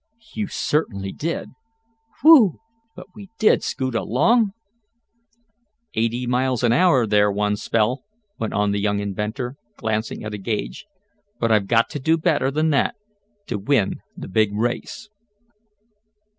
"You certainly did. Whew! But we did scoot along?" "Eighty miles an hour there one spell," went on the young inventor, glancing at a gauge. "But I've got to do better than that to win the big race."